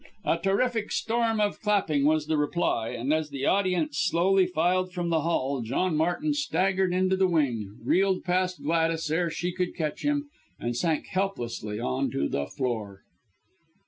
A terrific storm of clapping was the reply, and as the audience slowly filed from the hall, John Martin staggered into the wing, reeled past Gladys ere she could catch him, and sank helplessly on to the floor.